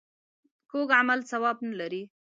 کوږ عمل ثواب نه لري